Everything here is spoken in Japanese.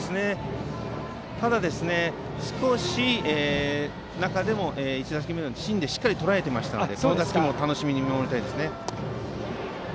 ただ、１打席目は芯でしっかりとらえていましたのでこの打席も楽しみに見守りたいですね。